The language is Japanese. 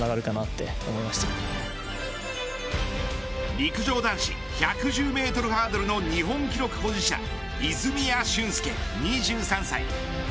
陸上男子１１０メートルハードルの日本記録保持者、泉谷駿介２３歳。